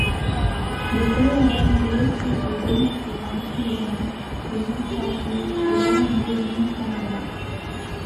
Le théorème peut aussi se démontrer en utilisant les ultrafiltres ou l'analyse non standard.